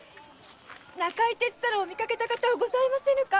中井徹太郎を見かけた方はございませぬか？